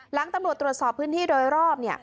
หลังตำรวจตรวจสอบพื้นที่โดยรอบ